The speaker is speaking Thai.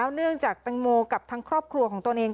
เนื่องจากแตงโมกับทั้งครอบครัวของตนเอง